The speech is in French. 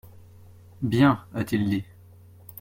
«Bien, a-t-il dit.